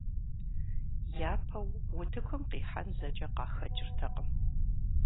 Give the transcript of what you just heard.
Япэу утыкум къихьэн зэкӀэ къахэкӀыртэкъым.